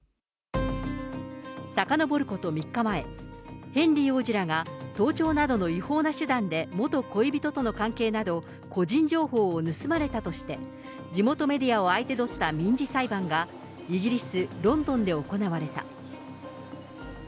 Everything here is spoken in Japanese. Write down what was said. さかのぼること３日前、ヘンリー王子らが盗聴などの違法な手段で、元恋人との関係など、個人情報を盗まれたとして、地元メディアを相手取った民事裁判がイギリス・ロンドンで行われた。